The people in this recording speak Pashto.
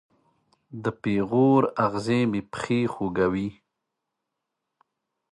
د پیغور اغزې مې پښې خوږوي